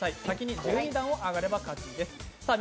先に１２段を上がれば勝ちです。